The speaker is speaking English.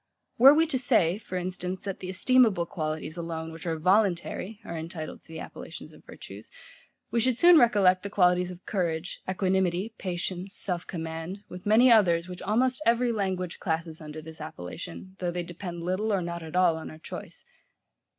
Were we to say, for instance, that the esteemable qualities alone, which are voluntary, are entitled to the appellations of virtues; we should soon recollect the qualities of courage, equanimity, patience, self command; with many others, which almost every language classes under this appellation, though they depend little or not at all on our choice.